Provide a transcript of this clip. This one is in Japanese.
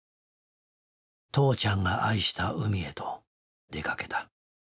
父ちゃんが愛した海へと出かけた。